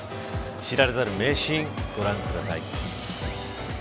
知られざる名シーンご覧ください。